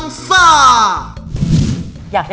น้องไมโครโฟนจากทีมมังกรจิ๋วเจ้าพญา